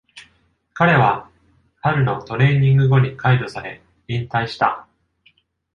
彼は春のトレーニング後に解除され、引退した。